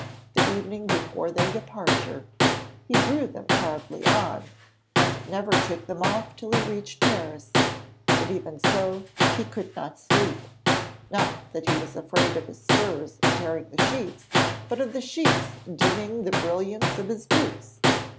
The evening before their departure he drew them proudly on, and never took them off till he reached Paris! But even so, he could not sleep. Not that he was afraid of his spurs tearing the sheets, but of the sheets dimming the brilliance of his boots.